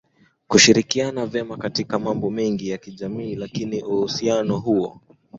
kushirikiana vema katika mambo mengi ya kijamii lakini uhusiano huo